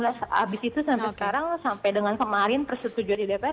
habis itu sampai sekarang sampai dengan kemarin persetujuan di dpr